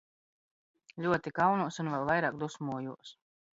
Ļoti kaunos un vēl vairāk dusmojos!